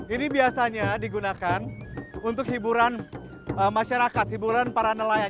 ini biasanya digunakan untuk hiburan masyarakat hiburan para nelayan